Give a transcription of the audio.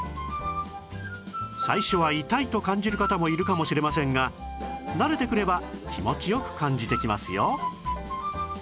最初は痛いと感じる方もいるかもしれませんが慣れてくれば気持ち良く感じてきますよ